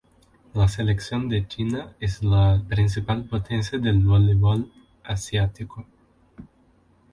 La selección de China es la principal potencia del voleibol asiático.